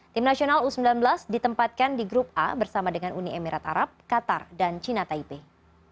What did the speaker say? tim nasional u sembilan belas ditempatkan di grup a bersama dengan uni emirat arab qatar dan cina taipei